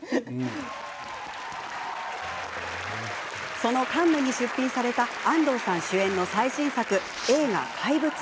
そのカンヌに出品された安藤さん主演の最新作映画「怪物」。